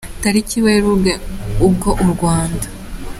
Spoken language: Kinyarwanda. tariki Werurwe, ubwo u Rwanda.